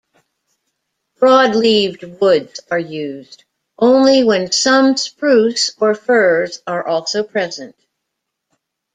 Broad-leaved woods are used, only when some spruce or firs are also present.